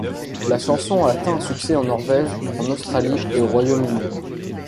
La chanson a atteint un succès en Norvège, en Australie et au Royaume-Uni.